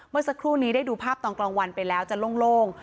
เมื่อสักครู่นี้ได้ดูภาพตอนกลางวันไปแล้วจะโล่ง